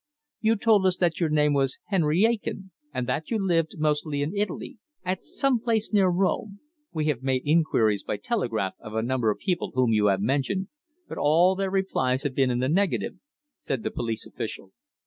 "You told us that your name was Henry Aitken, and that you lived mostly in Italy at some place near Rome. We have made inquiries by telegraph of a number of people whom you have mentioned, but all their replies have been in the negative," said the police official.